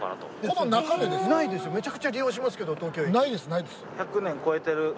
めちゃくちゃ利用しますけど東京駅。